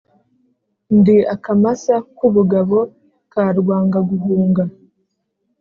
Ndi akamasa k’ubugabo ka Rwangaguhunga,